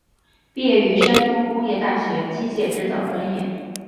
毕业于山东工业大学机械制造专业。